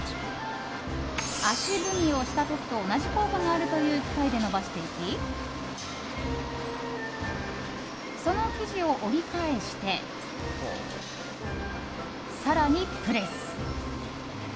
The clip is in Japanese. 足踏みをした時と同じ効果があるという機械で伸ばしていきその生地を折り返して更に、プレス。